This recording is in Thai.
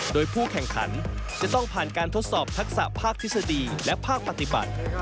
โดยผู้แข่งขันจะต้องผ่านการทดสอบทักษะภาคทฤษฎีและภาคปฏิบัติ